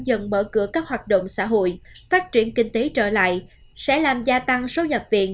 dần mở cửa các hoạt động xã hội phát triển kinh tế trở lại sẽ làm gia tăng số nhập viện